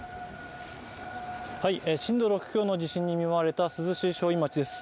震度６強の地震に見舞われた珠洲市正院町です。